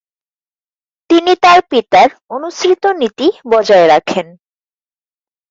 তিনি তার পিতার অনুসৃত নীতি বজায় রাখেন।